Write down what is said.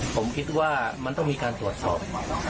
ผมคิดว่ามันต้องมีการตรวจสอบ